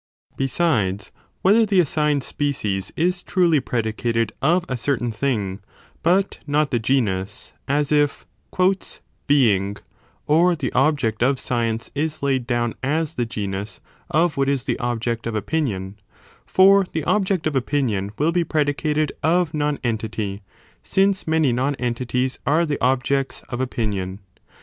ἐπ ἀρύποξει Besides, whether the assigned species is truly nus is not pre. predicated of a certain thing, but not the genus, dicated of what as if ὦ being" or the object of science is laid down pecies is. :: ie as the genus of what is the object of opinion, for the object of opinion will be predicated of non entity, since many non entities are the objects of opinion.